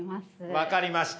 分かりました。